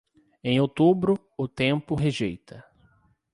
Em outubro, o tempo rejeita.